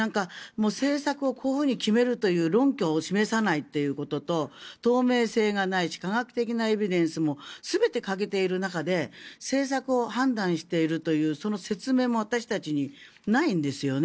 政策をこういうふうに決めるという論拠を示さないということと透明性がないし科学的なエビデンスも全て欠けている中で政策を判断しているというその説明も私たちにないんですよね。